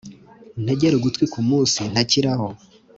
untegere ugtwi kumunsi ntakiraho